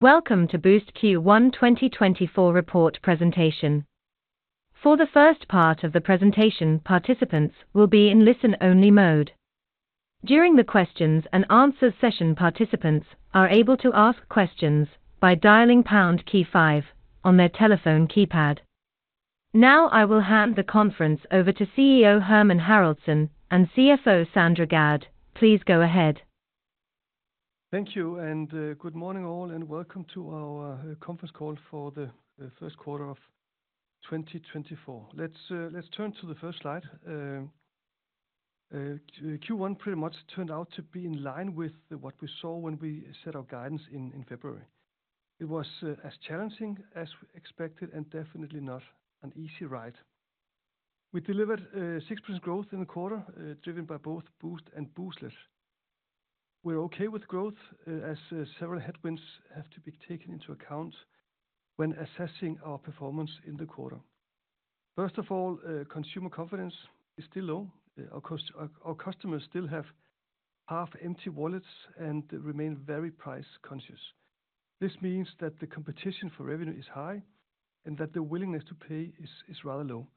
Welcome to Boozt Q1 2024 report presentation. For the first part of the presentation, participants will be in listen-only mode. During the questions and answers session, participants are able to ask questions by dialing pound key five on their telephone keypad. Now, I will hand the conference over to CEO Hermann Haraldsson and CFO Sandra Gadd. Please go ahead. Thank you and good morning, all, and welcome to our conference call for the first quarter of 2024. Let's turn to the first slide. Q1 pretty much turned out to be in line with what we saw when we set our guidance in February. It was as challenging as expected and definitely not an easy ride. We delivered 6% growth in the quarter, driven by both Boozt and Booztlet. We're okay with growth, as several headwinds have to be taken into account when assessing our performance in the quarter. First of all, consumer confidence is still low. Our customers still have half-empty wallets and remain very price-conscious. This means that the competition for revenue is high and that the willingness to pay is rather low.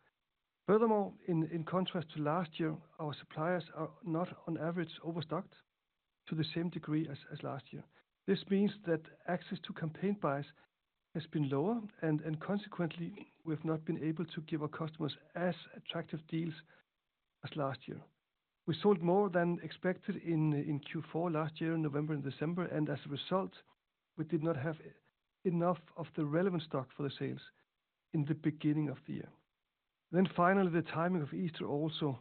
Furthermore, in contrast to last year, our suppliers are not, on average, overstocked to the same degree as last year. This means that access to campaign buys has been lower, and consequently, we've not been able to give our customers as attractive deals as last year. We sold more than expected in Q4 last year, in November and December, and as a result, we did not have enough of the relevant stock for the sales in the beginning of the year. Then finally, the timing of Easter also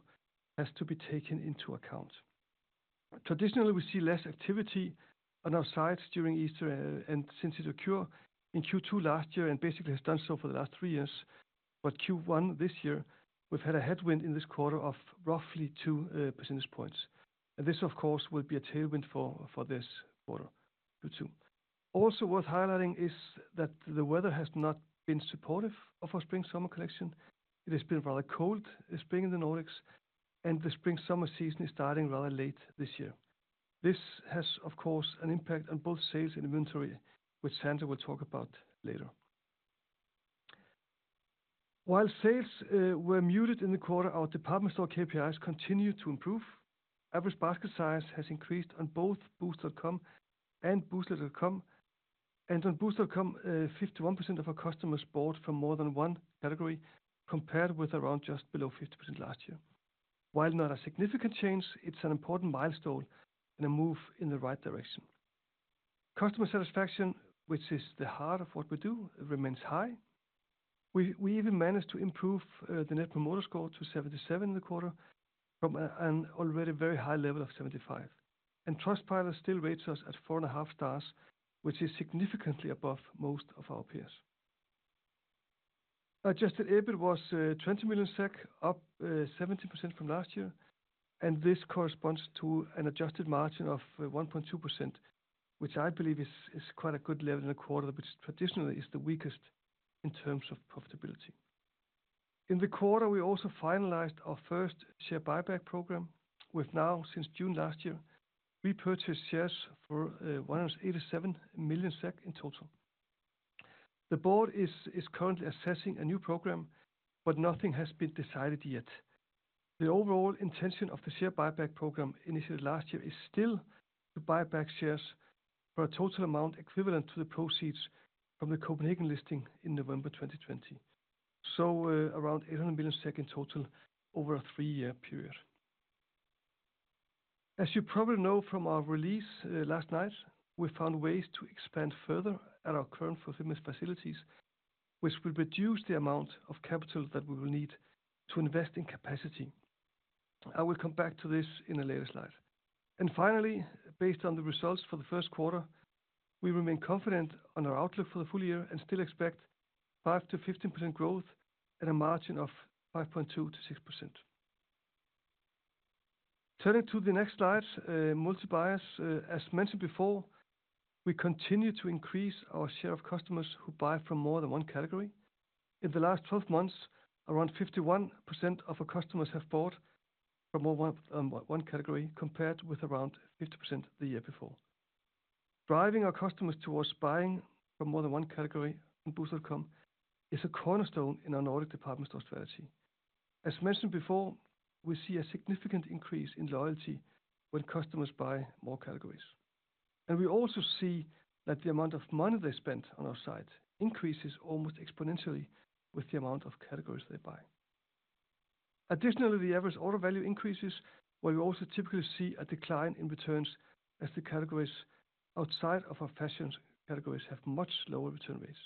has to be taken into account. Traditionally, we see less activity on our sites during Easter, and since it occurred in Q2 last year and basically has done so for the last three years, but Q1 this year, we've had a headwind in this quarter of roughly two percentage points. This, of course, will be a tailwind for, for this quarter, Q2. Also worth highlighting is that the weather has not been supportive of our spring/summer collection. It has been rather cold this spring in the Nordics, and the spring/summer season is starting rather late this year. This has, of course, an impact on both sales and inventory, which Sandra will talk about later. While sales were muted in the quarter, our department store KPIs continued to improve. Average basket size has increased on both Boozt.com and Booztlet.com, and on Boozt.com, 51% of our customers bought from more than one category, compared with around just below 50% last year. While not a significant change, it's an important milestone and a move in the right direction. Customer satisfaction, which is the heart of what we do, remains high. We even managed to improve the Net Promoter Score to 77 in the quarter from an already very high level of 75. Trustpilot still rates us at 4.5 stars, which is significantly above most of our peers. Adjusted EBIT was 20 million SEK, up 17% from last year, and this corresponds to an adjusted margin of 1.2%, which I believe is quite a good level in a quarter, which traditionally is the weakest in terms of profitability. In the quarter, we also finalized our first share buyback program, with now, since June last year, we purchased shares for 187 million SEK in total. The board is currently assessing a new program, but nothing has been decided yet. The overall intention of the share buyback program, initiated last year, is still to buy back shares for a total amount equivalent to the proceeds from the Copenhagen listing in November 2020. So, around 800 million in total over a three-year period. As you probably know from our release, last night, we found ways to expand further at our current fulfillment facilities, which will reduce the amount of capital that we will need to invest in capacity. I will come back to this in a later slide. And finally, based on the results for the first quarter, we remain confident on our outlook for the full year and still expect 5%-15% growth at a margin of 5.2%-6%. Turning to the next slide, multi-buyers. As mentioned before, we continue to increase our share of customers who buy from more than one category. In the last 12 months, around 51% of our customers have bought from more than one category, compared with around 50% the year before. Driving our customers towards buying from more than one category on Boozt.com is a cornerstone in our Nordic department store strategy. As mentioned before, we see a significant increase in loyalty when customers buy more categories. And we also see that the amount of money they spent on our site increases almost exponentially with the amount of categories they buy. Additionally, the average order value increases, where you also typically see a decline in returns, as the categories outside of our fashion categories have much lower return rates.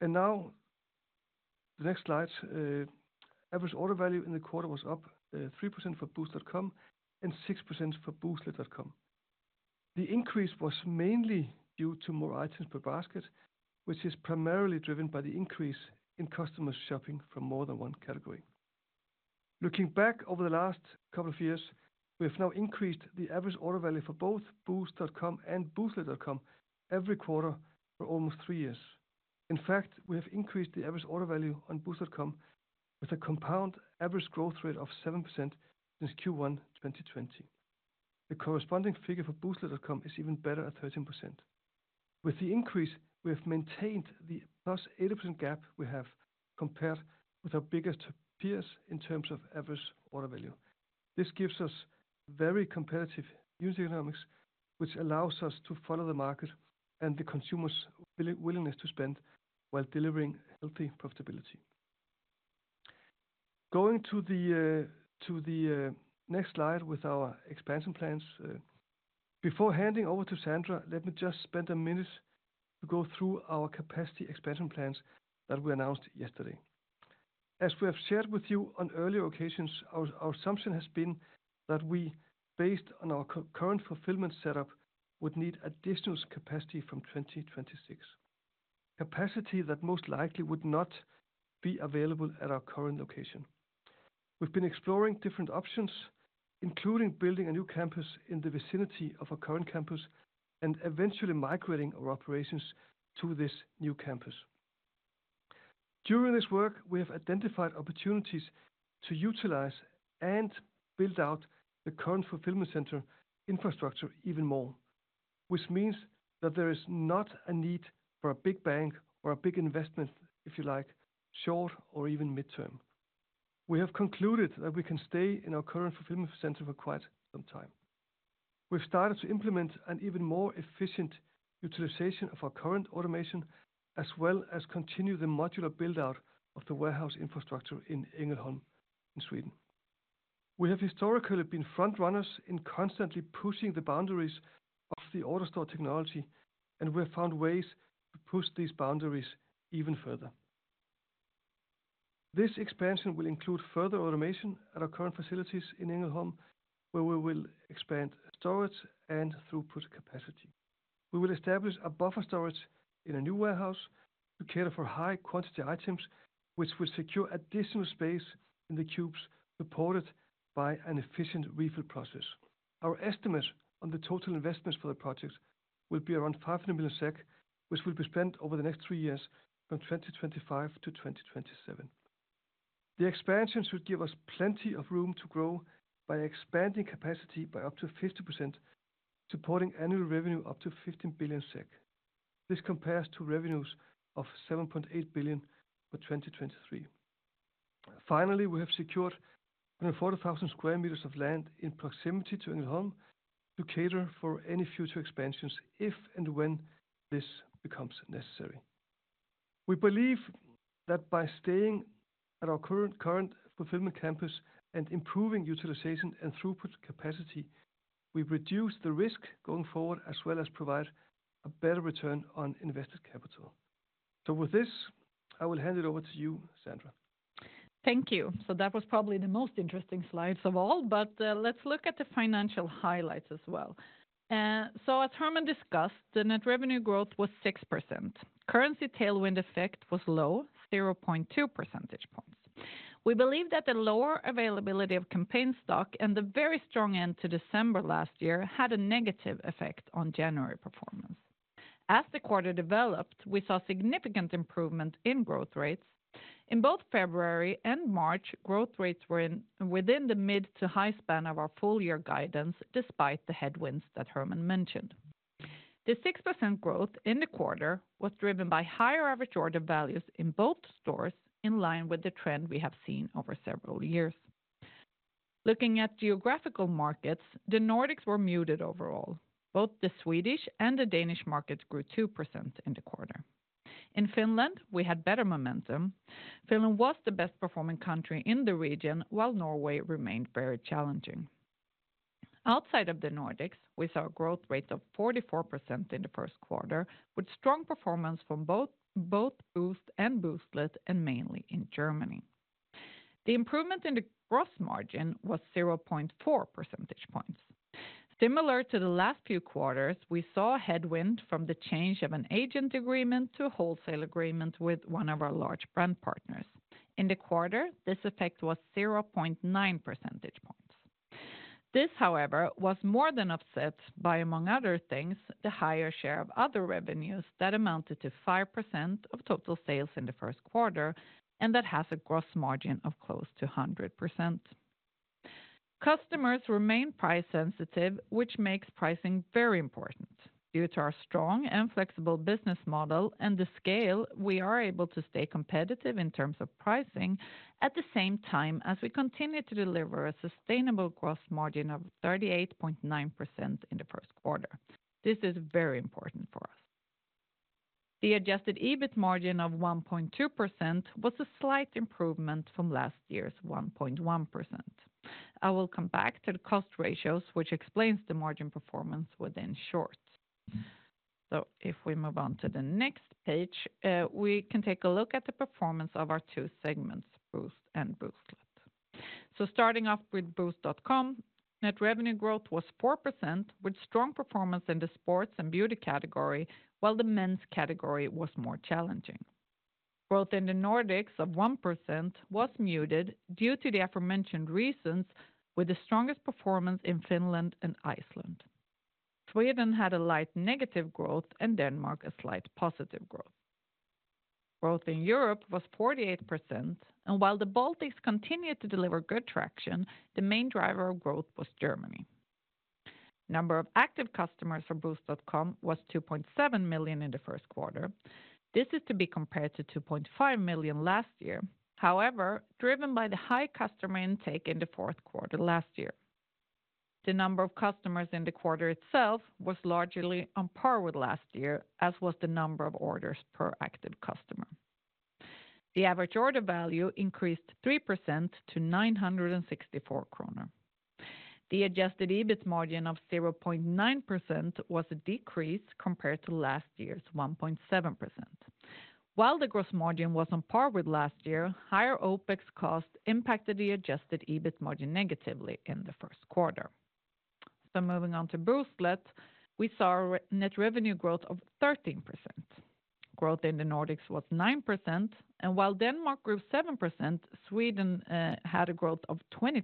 And now, the next slide. Average order value in the quarter was up 3% for Boozt.com and 6% for Booztlet.com. The increase was mainly due to more items per basket, which is primarily driven by the increase in customers shopping for more than one category. Looking back over the last couple of years, we have now increased the average order value for both Boozt.com and Booztlet.com every quarter for almost three years.... In fact, we have increased the average order value on Boozt.com with a compound average growth rate of 7% since Q1 2020. The corresponding figure for Booztlet.com is even better at 13%. With the increase, we have maintained the +80% gap we have compared with our biggest peers in terms of average order value. This gives us very competitive user economics, which allows us to follow the market and the consumer's willingness to spend, while delivering healthy profitability. Going to the next slide with our expansion plans, before handing over to Sandra, let me just spend a minute to go through our capacity expansion plans that we announced yesterday. As we have shared with you on earlier occasions, our assumption has been that we, based on our current fulfillment setup, would need additional capacity from 2026. Capacity that most likely would not be available at our current location. We've been exploring different options, including building a new campus in the vicinity of our current campus, and eventually migrating our operations to this new campus. During this work, we have identified opportunities to utilize and build out the current fulfillment center infrastructure even more, which means that there is not a need for a big bang or a big investment, if you like, short or even midterm. We have concluded that we can stay in our current fulfillment center for quite some time. We've started to implement an even more efficient utilization of our current automation, as well as continue the modular build-out of the warehouse infrastructure in Ängelholm, in Sweden. We have historically been front runners in constantly pushing the boundaries of the AutoStore technology, and we have found ways to push these boundaries even further. This expansion will include further automation at our current facilities in Ängelholm, where we will expand storage and throughput capacity. We will establish a buffer storage in a new warehouse to cater for high quantity items, which will secure additional space in the cubes, supported by an efficient refill process. Our estimates on the total investments for the project will be around 500 million SEK, which will be spent over the next three years, from 2025 to 2027. The expansion should give us plenty of room to grow by expanding capacity by up to 50%, supporting annual revenue up to 15 billion SEK. This compares to revenues of 7.8 billion for 2023. Finally, we have secured 140,000 square meters of land in proximity to Ängelholm to cater for any future expansions, if and when this becomes necessary. We believe that by staying at our current fulfillment campus and improving utilization and throughput capacity, we reduce the risk going forward, as well as provide a better return on invested capital. With this, I will hand it over to you, Sandra. Thank you. So that was probably the most interesting slides of all, but, let's look at the financial highlights as well. So as Hermann discussed, the net revenue growth was 6%. Currency tailwind effect was low, 0.2 percentage points. We believe that the lower availability of campaign stock and the very strong end to December last year had a negative effect on January performance. As the quarter developed, we saw significant improvement in growth rates. In both February and March, growth rates were within the mid to high span of our full year guidance, despite the headwinds that Hermann mentioned. The 6% growth in the quarter was driven by higher average order values in both stores, in line with the trend we have seen over several years. Looking at geographical markets, the Nordics were muted overall. Both the Swedish and the Danish markets grew 2% in the quarter. In Finland, we had better momentum. Finland was the best performing country in the region, while Norway remained very challenging. Outside of the Nordics, we saw growth rates of 44% in the first quarter, with strong performance from both Boozt and Booztlet, and mainly in Germany. The improvement in the gross margin was 0.4 percentage points. Similar to the last few quarters, we saw a headwind from the change of an agent agreement to a wholesale agreement with one of our large brand partners. In the quarter, this effect was 0.9 percentage points. This, however, was more than offset by, among other things, the higher share of other revenues that amounted to 5% of total sales in the first quarter, and that has a gross margin of close to 100%. Customers remain price sensitive, which makes pricing very important. Due to our strong and flexible business model and the scale, we are able to stay competitive in terms of pricing, at the same time, as we continue to deliver a sustainable gross margin of 38.9% in the first quarter. This is very important for us. The adjusted EBIT margin of 1.2% was a slight improvement from last year's 1.1%. I will come back to the cost ratios, which explains the margin performance within short. So if we move on to the next page, we can take a look at the performance of our two segments, Boozt and Booztlet. Starting off with Boozt.com, net revenue growth was 4%, with strong performance in the sports and beauty category, while the men's category was more challenging. Growth in the Nordics of 1% was muted due to the aforementioned reasons, with the strongest performance in Finland and Iceland. Sweden had a light negative growth and Denmark a slight positive growth. Growth in Europe was 48%, and while the Baltics continued to deliver good traction, the main driver of growth was Germany. Number of active customers for Boozt.com was 2.7 million in the first quarter. This is to be compared to 2.5 million last year. However, driven by the high customer intake in the fourth quarter last year. The number of customers in the quarter itself was largely on par with last year, as was the number of orders per active customer. The average order value increased 3% to 964 kronor. The adjusted EBIT margin of 0.9% was a decrease compared to last year's 1.7%. While the gross margin was on par with last year, higher OpEx costs impacted the adjusted EBIT margin negatively in the first quarter. Moving on to Booztlet, we saw a net revenue growth of 13%. Growth in the Nordics was 9%, and while Denmark grew 7%, Sweden had a growth of 23%.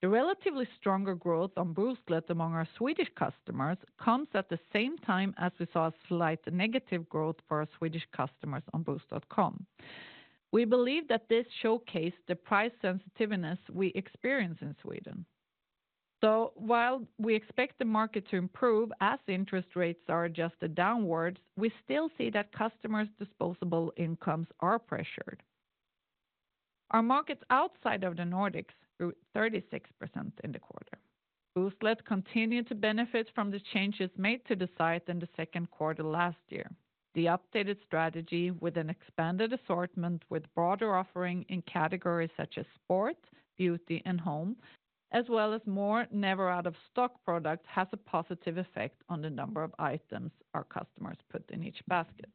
The relatively stronger growth on Booztlet among our Swedish customers comes at the same time as we saw a slight negative growth for our Swedish customers on Boozt.com. We believe that this showcased the price sensitiveness we experience in Sweden. So while we expect the market to improve as interest rates are adjusted downwards, we still see that customers' disposable incomes are pressured. Our markets outside of the Nordics grew 36% in the quarter. Booztlet continued to benefit from the changes made to the site in the second quarter last year. The updated strategy, with an expanded assortment, with broader offering in categories such as sport, beauty, and home, as well as more never out-of-stock products, has a positive effect on the number of items our customers put in each basket.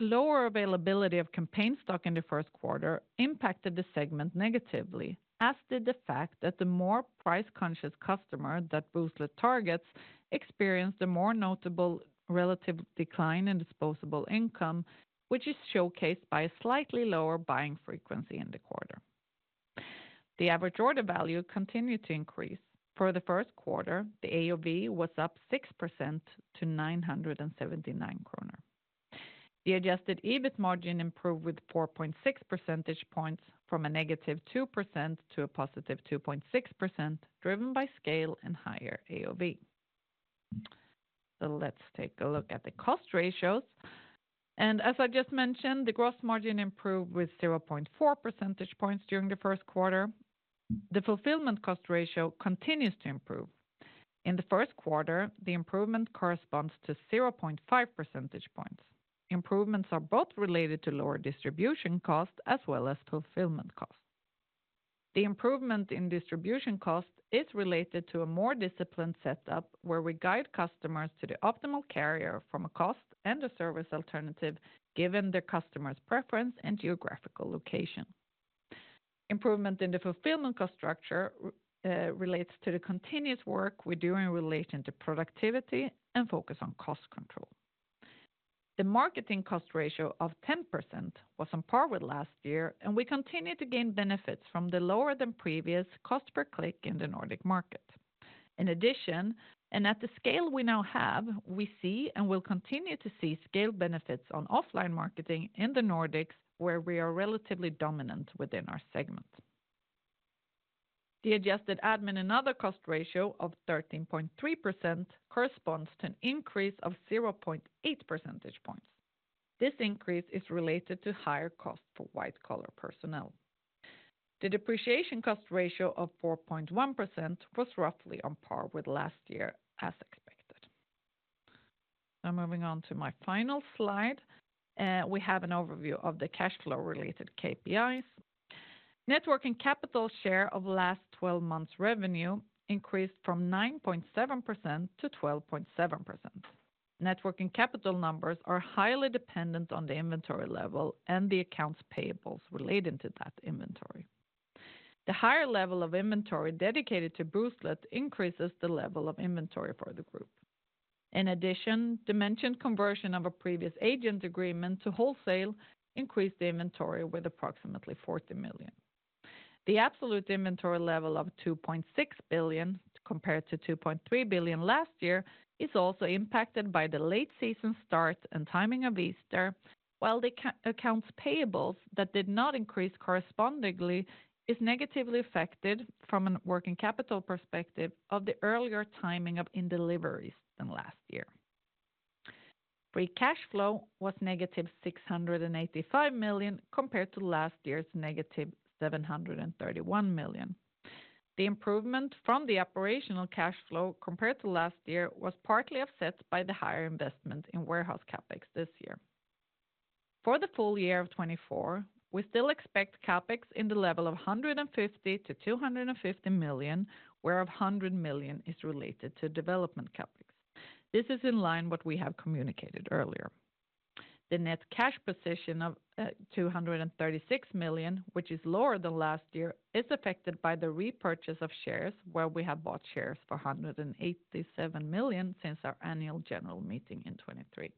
Lower availability of campaign stock in the first quarter impacted the segment negatively, as did the fact that the more price-conscious customer that Booztlet targets experienced a more notable relative decline in disposable income, which is showcased by a slightly lower buying frequency in the quarter. The average order value continued to increase. For the first quarter, the AOV was up 6% to 979 kronor. The adjusted EBIT margin improved with 4.6 percentage points, from -2% to +2.6%, driven by scale and higher AOV. So let's take a look at the cost ratios. And as I just mentioned, the gross margin improved with 0.4 percentage points during the first quarter. The fulfillment cost ratio continues to improve. In the first quarter, the improvement corresponds to 0.5 percentage points. Improvements are both related to lower distribution costs as well as fulfillment costs. The improvement in distribution costs is related to a more disciplined setup, where we guide customers to the optimal carrier from a cost and a service alternative, given the customer's preference and geographical location. Improvement in the fulfillment cost structure relates to the continuous work we're doing in relation to productivity and focus on cost control. The marketing cost ratio of 10% was on par with last year, and we continue to gain benefits from the lower than previous cost per click in the Nordic market. In addition, and at the scale we now have, we see and will continue to see scale benefits on offline marketing in the Nordics, where we are relatively dominant within our segment. The adjusted admin and other cost ratio of 13.3% corresponds to an increase of 0.8 percentage points. This increase is related to higher cost for white-collar personnel. The depreciation cost ratio of 4.1% was roughly on par with last year, as expected. Now, moving on to my final slide, we have an overview of the cash flow-related KPIs. Net working capital share of last 12 months' revenue increased from 9.7% to 12.7%. Net working capital numbers are highly dependent on the inventory level and the accounts payables relating to that inventory. The higher level of inventory dedicated to Booztlet increases the level of inventory for the group. In addition, the mentioned conversion of a previous agent agreement to wholesale increased the inventory with approximately 40 million. The absolute inventory level of 2.6 billion, compared to 2.3 billion last year, is also impacted by the late season start and timing of Easter, while the accounts payables that did not increase correspondingly is negatively affected from a working capital perspective of the earlier timing of incoming deliveries than last year. Free cash flow was negative 685 million, compared to last year's negative 731 million. The improvement from the operational cash flow compared to last year was partly offset by the higher investment in warehouse CapEx this year. For the full year of 2024, we still expect CapEx in the level of 150-250 million, where 100 million is related to development CapEx. This is in line with what we have communicated earlier. The net cash position of 236 million, which is lower than last year, is affected by the repurchase of shares, where we have bought shares for 187 million since our annual general meeting in 2023.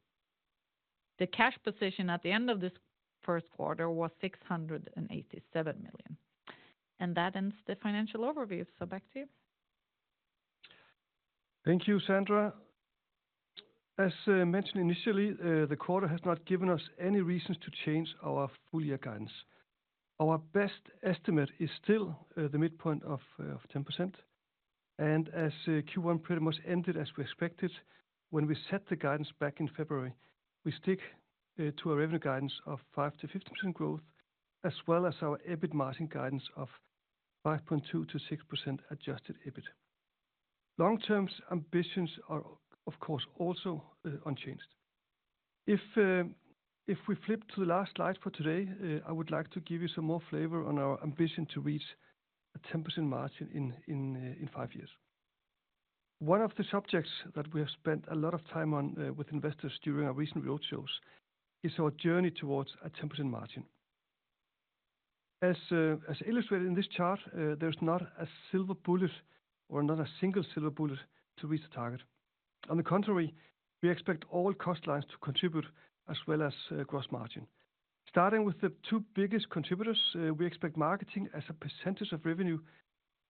The cash position at the end of this first quarter was 687 million. That ends the financial overview, so back to you. Thank you, Sandra. As mentioned initially, the quarter has not given us any reasons to change our full year guidance. Our best estimate is still the midpoint of 10%, and as Q1 pretty much ended as we expected, when we set the guidance back in February, we stick to a revenue guidance of 5%-15% growth, as well as our EBIT margin guidance of 5.2%-6% adjusted EBIT. Long-term ambitions are, of course, also unchanged. If we flip to the last slide for today, I would like to give you some more flavor on our ambition to reach a 10% margin in five years. One of the subjects that we have spent a lot of time on with investors during our recent roadshows is our journey towards a 10% margin. As illustrated in this chart, there's not a silver bullet or not a single silver bullet to reach the target. On the contrary, we expect all cost lines to contribute as well as gross margin. Starting with the two biggest contributors, we expect marketing as a percentage of revenue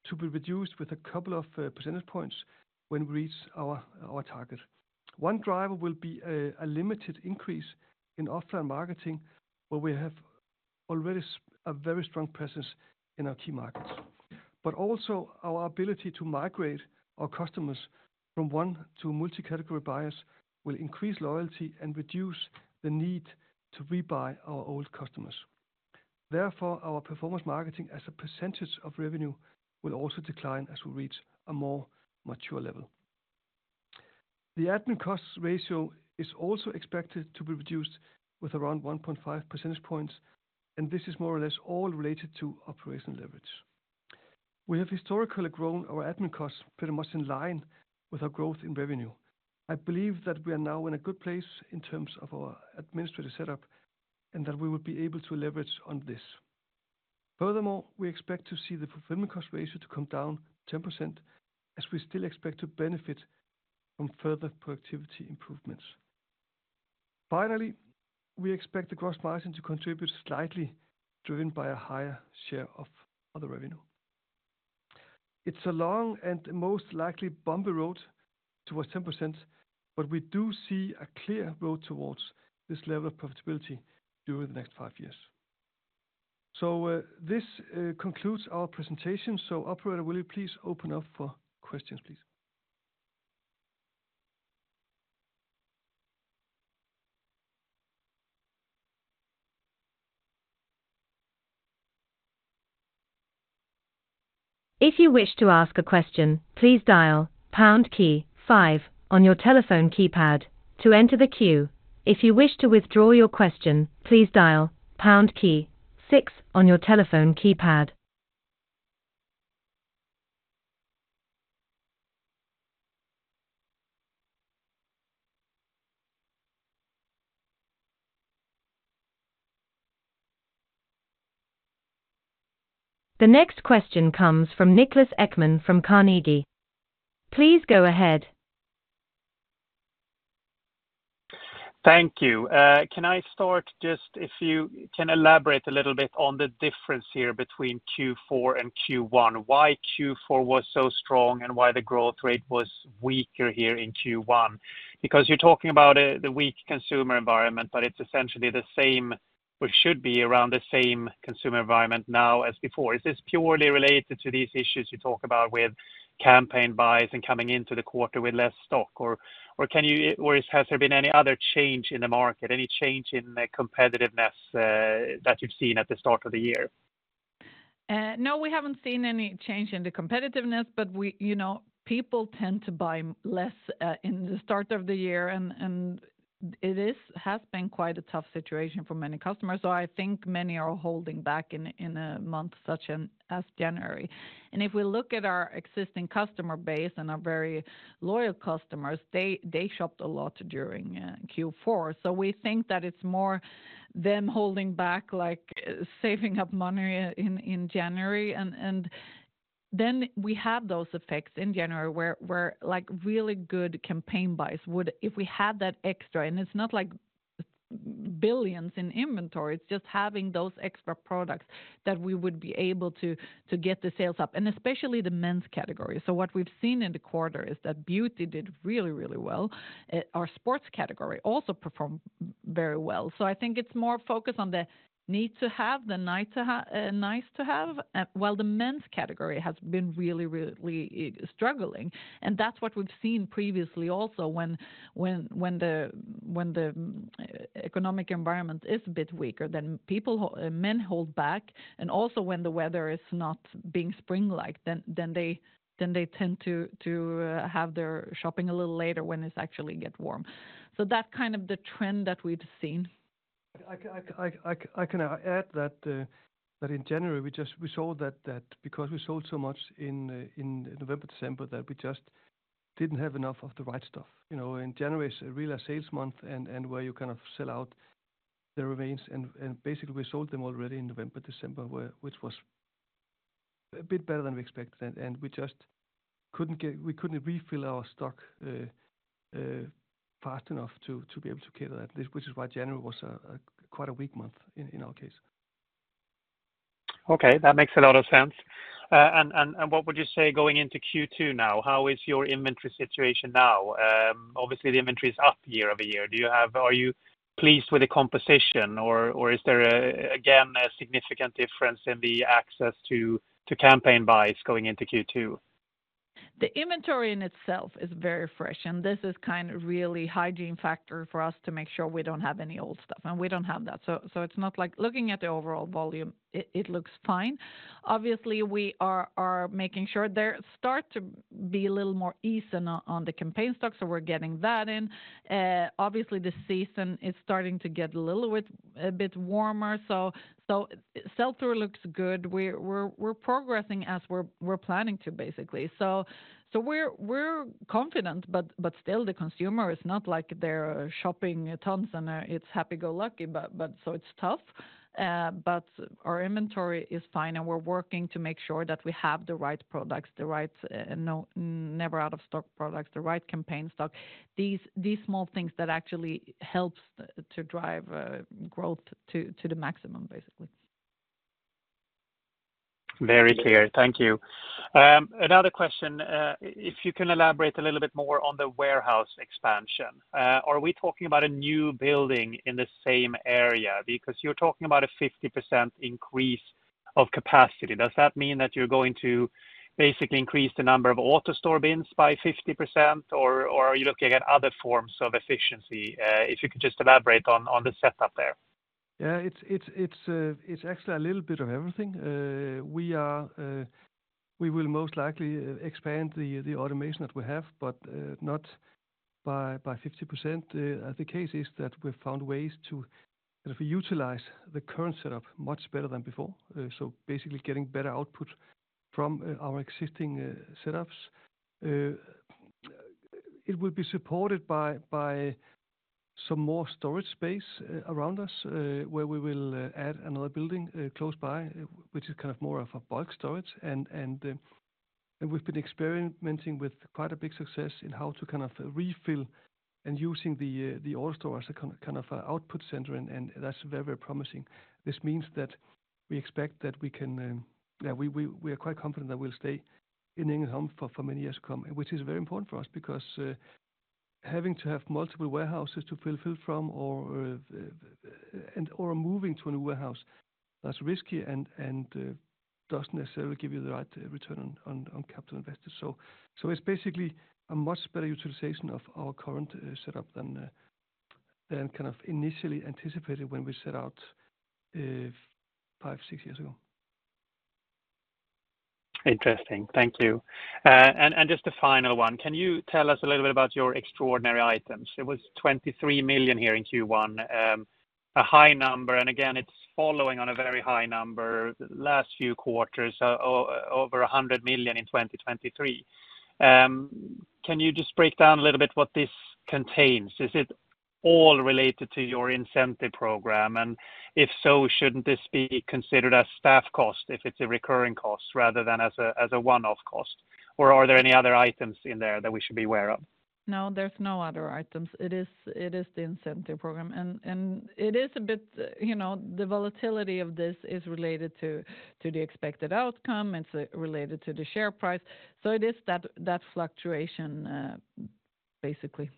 to be reduced with a couple of percentage points when we reach our target. One driver will be a limited increase in offline marketing, where we have already seen a very strong presence in our key markets. But also, our ability to migrate our customers from one to multi-category buyers will increase loyalty and reduce the need to rebuy our old customers. Therefore, our performance marketing as a percentage of revenue, will also decline as we reach a more mature level. The admin costs ratio is also expected to be reduced with around 1.5 percentage points, and this is more or less all related to operational leverage. We have historically grown our admin costs pretty much in line with our growth in revenue. I believe that we are now in a good place in terms of our administrative setup, and that we will be able to leverage on this. Furthermore, we expect to see the fulfillment cost ratio to come down 10%, as we still expect to benefit from further productivity improvements. Finally, we expect the gross margin to contribute slightly, driven by a higher share of other revenue. It's a long and most likely bumpy road towards 10%, but we do see a clear road towards this level of profitability during the next five years. This concludes our presentation. Operator, will you please open up for questions, please? If you wish to ask a question, please dial pound key five on your telephone keypad to enter the queue. If you wish to withdraw your question, please dial pound key six on your telephone keypad. The next question comes from Niklas Ekman, from Carnegie. Please go ahead. Thank you. Can I start just if you can elaborate a little bit on the difference here between Q4 and Q1? Why Q4 was so strong, and why the growth rate was weaker here in Q1? Because you're talking about the weak consumer environment, but it's essentially the same, or should be around the same consumer environment now as before. Is this purely related to these issues you talk about with campaign buys and coming into the quarter with less stock? Or has there been any other change in the market, any change in the competitiveness that you've seen at the start of the year? No, we haven't seen any change in the competitiveness, but we—you know, people tend to buy less in the start of the year, and it has been quite a tough situation for many customers, so I think many are holding back in a month such as January. And if we look at our existing customer base and our very loyal customers, they shopped a lot during Q4. So we think that it's more them holding back, like, saving up money in January. And then we had those effects in January, where, like, really good campaign buys would... If we had that extra, and it's not like billions in inventory, it's just having those extra products, that we would be able to get the sales up, and especially the men's category. So what we've seen in the quarter is that beauty did really, really well. Our sports category also performed very well. So I think it's more focused on the need to have, the nice to have, while the men's category has been really, really struggling. And that's what we've seen previously also, when the economic environment is a bit weaker, then people, men hold back, and also when the weather is not being spring-like, then they tend to have their shopping a little later when it's actually get warm. So that kind of the trend that we've seen. I can add that in January, we just saw that because we sold so much in November, December, that we just didn't have enough of the right stuff. You know, January is a real sales month, and where you kind of sell out the remains, and basically, we sold them already in November, December, which was a bit better than we expected, and we just couldn't refill our stock fast enough to be able to cater that. Which is why January was quite a weak month in our case. Okay, that makes a lot of sense. What would you say going into Q2 now? How is your inventory situation now? Obviously, the inventory is up year-over-year. Are you pleased with the composition, or is there, again, a significant difference in the access to campaign buys going into Q2? The inventory in itself is very fresh, and this is kind of really hygiene factor for us to make sure we don't have any old stuff, and we don't have that. So it's not like looking at the overall volume, it looks fine. Obviously, we are making sure there start to be a little more ease on the campaign stock, so we're getting that in. Obviously, the season is starting to get a little bit warmer, so sell-through looks good. We're progressing as we're planning to, basically. So we're confident, but still the consumer is not like they're shopping tons and it's happy-go-lucky, but so it's tough. But our inventory is fine, and we're working to make sure that we have the right products, the right never out of stock products, the right campaign stock. These small things that actually helps to drive growth to the maximum, basically. Very clear. Thank you. Another question, if you can elaborate a little bit more on the warehouse expansion. Are we talking about a new building in the same area? Because you're talking about a 50% increase of capacity. Does that mean that you're going to basically increase the number of AutoStore bins by 50%, or are you looking at other forms of efficiency? If you could just elaborate on the setup there. Yeah, it's actually a little bit of everything. We will most likely expand the automation that we have, but not by 50%. The case is that we've found ways to kind of utilize the current setup much better than before. So basically, getting better output from our existing setups. It will be supported by some more storage space around us, where we will add another building close by, which is kind of more of a bulk storage. We've been experimenting with quite a big success in how to kind of refill and using the AutoStore as a kind of output center, and that's very promising. This means that we expect that we can, we are quite confident that we'll stay in Ängelholm for many years to come, which is very important for us. Because having to have multiple warehouses to fulfill from, or moving to a new warehouse, that's risky and doesn't necessarily give you the right return on capital investors. So it's basically a much better utilization of our current setup than kind of initially anticipated when we set out, five or six years ago. Interesting. Thank you. And just a final one, can you tell us a little bit about your extraordinary items? It was 23 million here in Q1, a high number, and again, it's following on a very high number the last few quarters, over 100 million in 2023. Can you just break down a little bit what this contains? Is it all related to your incentive program? And if so, shouldn't this be considered a staff cost, if it's a recurring cost, rather than as a one-off cost? Or are there any other items in there that we should be aware of? No, there's no other items. It is, it is the incentive program, and, and it is a bit, you know, the volatility of this is related to, to the expected outcome, it's related to the share price. So it is that, that fluctuation, basically.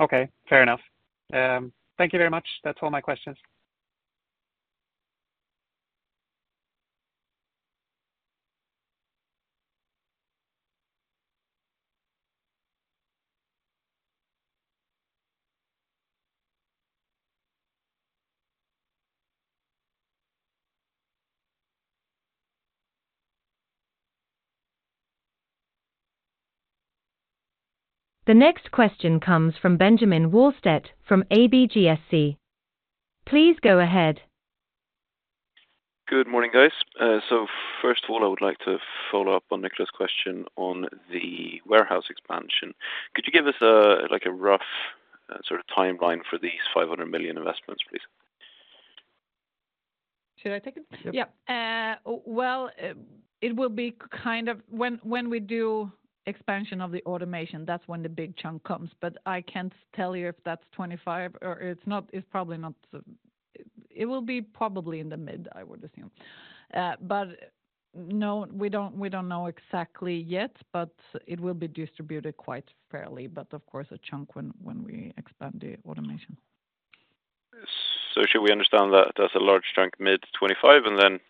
Okay, fair enough. Thank you very much. That's all my questions. The next question comes from Benjamin Wahlstedt, from ABGSC. Please go ahead. Good morning, guys. So first of all, I would like to follow up on Nicholas' question on the warehouse expansion. Could you give us a, like, a rough, sort of timeline for these 500 million investments, please? Should I take it? Yeah. Well, it will be kind of. When we do expansion of the automation, that's when the big chunk comes, but I can't tell you if that's 25 or it's not. It's probably not. It will be probably in the mid, I would assume. But no, we don't know exactly yet, but it will be distributed quite fairly, but of course, a chunk when we expand the automation. Should we understand that there's a large chunk mid-25, and then-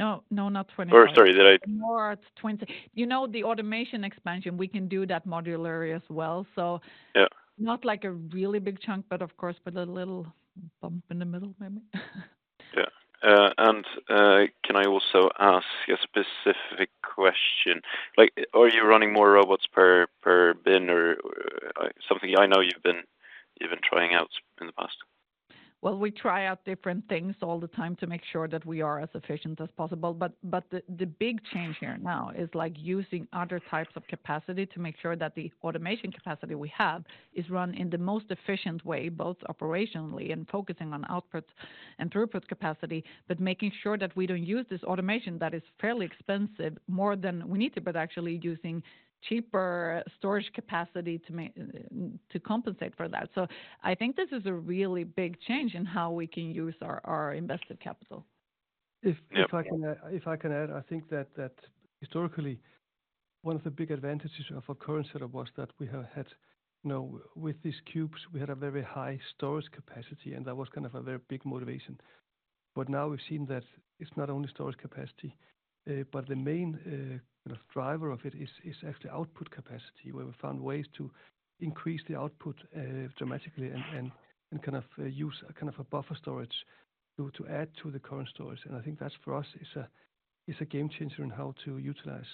No, no, not 25. Oh, sorry, did I- More at 20. You know, the automation expansion, we can do that modularly as well, so- Yeah... Not like a really big chunk, but of course, but a little bump in the middle maybe. Yeah. Can I also ask a specific question? Like, are you running more robots per bin or something? I know you've been trying out in the past? Well, we try out different things all the time to make sure that we are as efficient as possible. But the big change here now is, like, using other types of capacity to make sure that the automation capacity we have is run in the most efficient way, both operationally and focusing on outputs and throughput capacity, but making sure that we don't use this automation, that is fairly expensive, more than we need to, but actually using cheaper storage capacity to compensate for that. So I think this is a really big change in how we can use our invested capital. Yep. If I can add, I think that historically, one of the big advantages of our current setup was that we have had... You know, with these cubes, we had a very high storage capacity, and that was kind of a very big motivation. But now we've seen that it's not only storage capacity, but the main driver of it is actually output capacity, where we found ways to increase the output dramatically and kind of use a kind of a buffer storage to add to the current storage. And I think that's for us is a game changer on how to utilize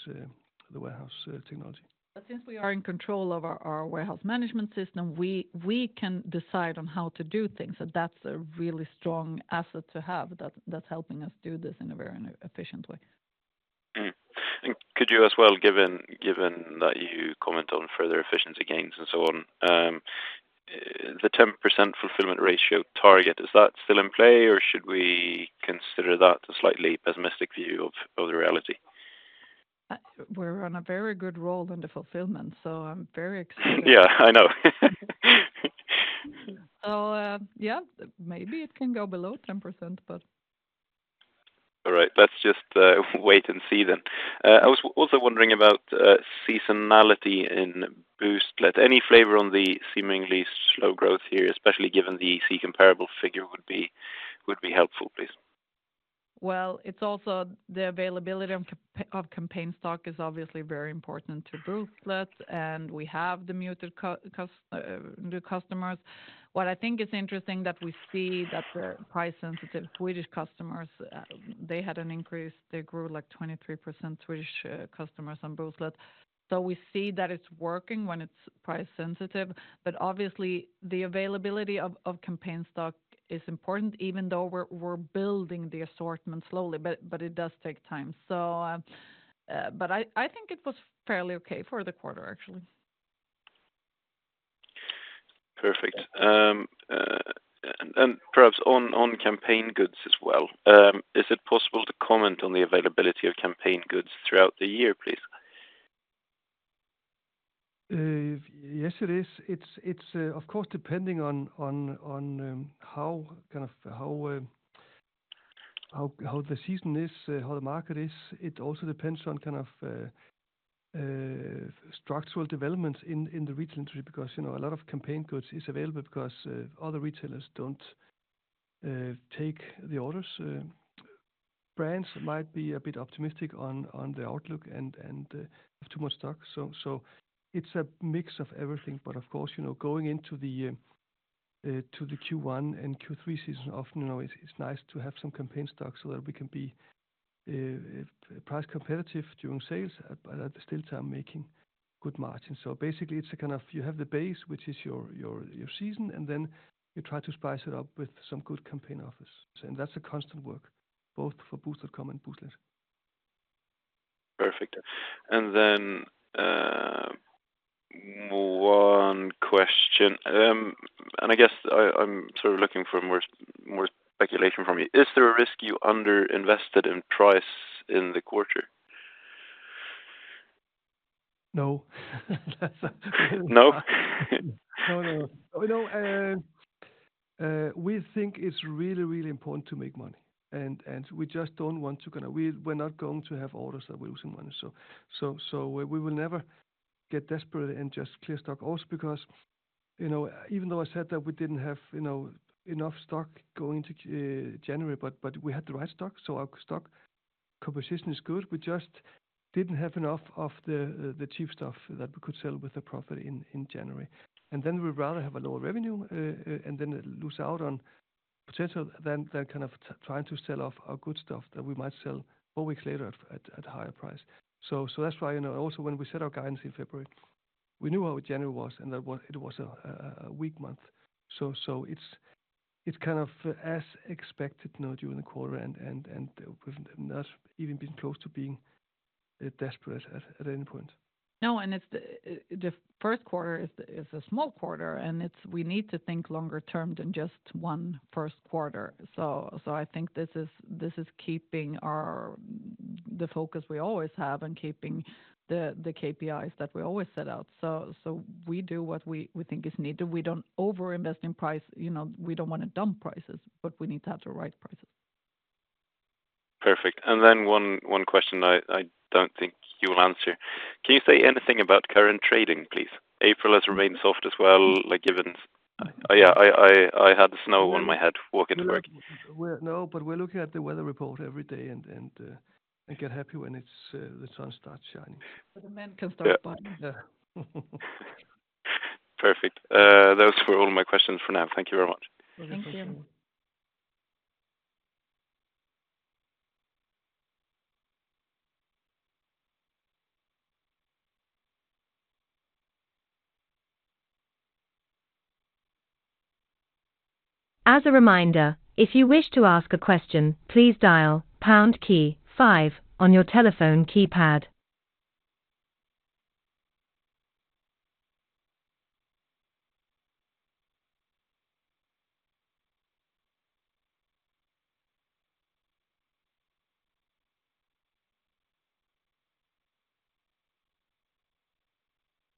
the warehouse technology. Since we are in control of our warehouse management system, we can decide on how to do things, so that's a really strong asset to have, that's helping us do this in a very efficient way. Could you as well, given that you comment on further efficiency gains and so on, the 10% fulfillment ratio target, is that still in play, or should we consider that a slightly pessimistic view of the reality? We're on a very good roll in the fulfillment, so I'm very excited. Yeah, I know. So, yeah, maybe it can go below 10%, but- All right. Let's just wait and see then. I was also wondering about seasonality in Booztlet. Any flavor on the seemingly slow growth here, especially given the comparable figure would be helpful, please. Well, it's also the availability of campaign stock is obviously very important to Booztlet, and we have the muted customers. What I think is interesting, that we see that the price sensitive Swedish customers, they had an increase. They grew, like, 23% Swedish customers on Booztlet. So we see that it's working when it's price sensitive, but obviously, the availability of campaign stock is important, even though we're building the assortment slowly, but it does take time. So, but I think it was fairly okay for the quarter, actually. Perfect. And perhaps on campaign goods as well. Is it possible to comment on the availability of campaign goods throughout the year, please? Yes, it is. It's of course depending on how kind of the season is, how the market is. It also depends on kind of structural developments in the region, because, you know, a lot of campaign goods is available because other retailers don't take the orders. Brands might be a bit optimistic on the outlook and have too much stock. So it's a mix of everything. But of course, you know, going into the Q1 and Q3 season, often, you know, it's nice to have some campaign stock so that we can be price competitive during sales, but at the same time, making good margins. So basically, it's a kind of... You have the base, which is your season, and then you try to spice it up with some good campaign offers. That's a constant work, both for Boozt.com and Booztlet. Perfect. Then one question. I guess I'm sort of looking for more speculation from you. Is there a risk you underinvested in price in the quarter? No. No? No, no. You know, we think it's really, really important to make money, and we just don't want to. We're not going to have orders that we're losing money. So we will never get desperate and just clear stock. Also because, you know, even though I said that we didn't have, you know, enough stock going into January, but we had the right stock, so our stock composition is good. We just didn't have enough of the cheap stuff that we could sell with a profit in January. And then we'd rather have a lower revenue and then lose out on potential, than kind of trying to sell off our good stuff that we might sell four weeks later at a higher price. So that's why, you know. Also, when we set our guidance in February, we knew how our January was, and that was. It was a weak month. So it's kind of as expected, you know, during the quarter and was not even been close to being desperate at any point. No, and it's the first quarter is a small quarter, and we need to think longer term than just one first quarter. So I think this is keeping our focus we always have and keeping the KPIs that we always set out. So we do what we think is needed. We don't overinvest in price. You know, we don't want to dump prices, but we need to have the right prices. Perfect. And then one question I don't think you will answer. Can you say anything about current trading, please? April has remained soft as well, like given... Oh, yeah, I had the snow on my head walking to work. Well, no, but we're looking at the weather report every day and get happy when the sun starts shining. When the men can start buying. Yeah. Perfect. Those were all my questions for now. Thank you very much. Thank you. As a reminder, if you wish to ask a question, please dial pound key five on your telephone keypad.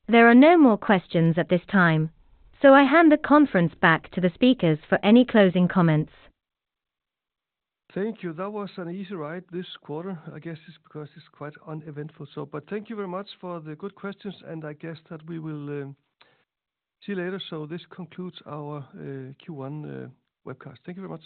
There are no more questions at this time, so I hand the conference back to the speakers for any closing comments. Thank you. That was an easy ride this quarter. I guess it's because it's quite uneventful. But thank you very much for the good questions, and I guess that we will see you later. This concludes our Q1 webcast. Thank you very much.